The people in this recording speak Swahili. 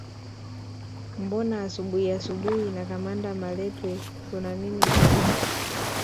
Mbona asubuhi asubuhi na kamanda Malatwe kuna nini mwalimu